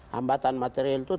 hambatan material itu terkait